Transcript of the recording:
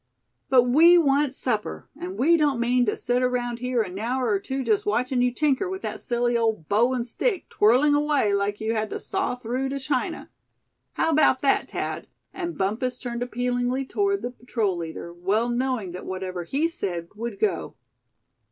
"But we want supper, and we don't mean to sit around here an hour or two, just watchin' you tinker with that silly old bow and stick, twirling away like you had to saw through to China. How about that, Thad?" and Bumpus turned appealingly toward the patrol leader, well knowing that whatever he said would go.